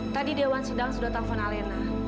tadi dewan sedang sudah telfon alena